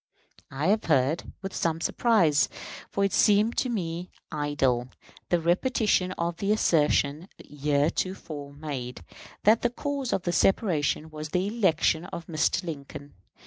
I have heard, with some surprise, for it seemed to me idle, the repetition of the assertion heretofore made, that the cause of the separation was the election of Mr. Lincoln.